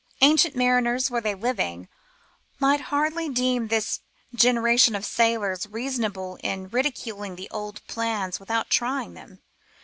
Ancient mariners, were they living, might hardly deem this generation of sailors reasonable in ridiculing the old plans without trying them.